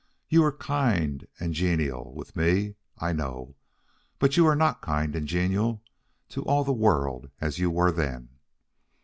You are kind and genial with me, I know, but you are not kind and genial to all the world as you were then.